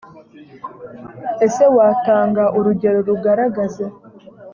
ese watanga urugero rugaragaza.